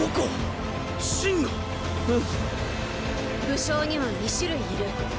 武将には二種類いる。